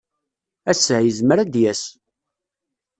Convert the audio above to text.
Ass-a, yezmer ad d-yas.